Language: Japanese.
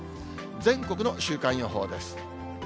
全国の週間予報です。